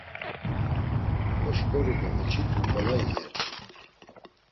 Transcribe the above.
Oşǩoru do oçitu ǩolayi iyert̆u.